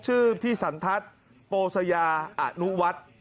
ชื่อพี่สันทัศน์โปสยาอนุวัฒน์